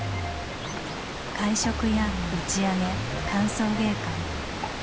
会食や打ち上げ歓送迎会。